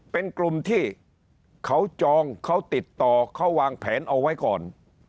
เป็นกลุ่มที่เขาจองเขาติดต่อเขาวางแผนเอาไว้ก่อน